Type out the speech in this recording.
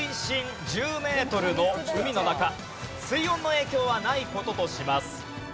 水温の影響はない事とします。